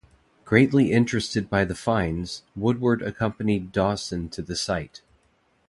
Greatly interested by the finds, Woodward accompanied Dawson to the site.